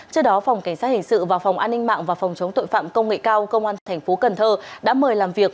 trước đó phòng cảnh sát hình sự và phòng an ninh mạng và phòng chống tội phạm công nghệ cao công an tp cn đã mời làm việc